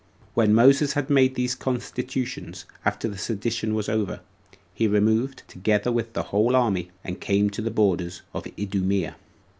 5. When Moses had made these constitutions, after the sedition was over, he removed, together with the whole army, and came to the borders of Idumea.